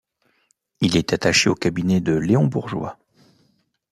Il est attaché au cabinet de Léon Bourgeois.